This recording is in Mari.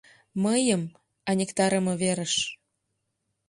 Мыйым — айныктарыме верыш.